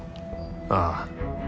ああ。